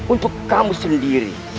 untuk kamu sendiri